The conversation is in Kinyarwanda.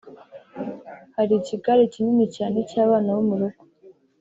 hari ikigare kinini cyane cy’abana bo mu rugo